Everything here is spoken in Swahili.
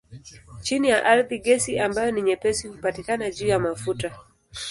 Chini ya ardhi gesi ambayo ni nyepesi hupatikana juu ya mafuta.